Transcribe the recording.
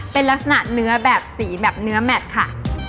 เป็นลักษณะเนื้อแบบสีแบบเนื้อแมทค่ะ